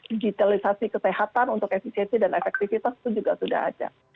digitalisasi kesehatan untuk efisiensi dan efektivitas itu juga sudah ada